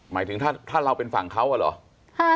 หมายถึงถ้าเราเป็นฝั่งเขาอะเหรอ